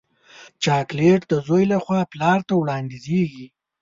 چاکلېټ د زوی له خوا پلار ته وړاندیزېږي.